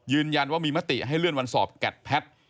ยืนยันว่ามีมติให้เลื่อนวันสอบแกดแพทย์